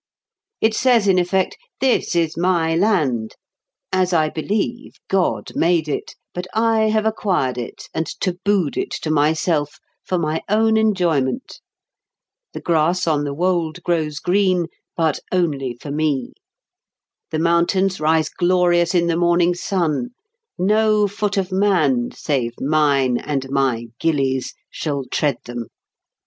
It says in effect, "This is my land. As I believe, God made it; but I have acquired it, and tabooed it to myself, for my own enjoyment. The grass on the wold grows green; but only for me. The mountains rise glorious in the morning sun; no foot of man, save mine and my gillies', shall tread them.